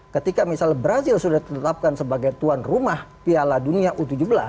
ketika misalnya brazil sudah ditetapkan sebagai tuan rumah piala dunia u tujuh belas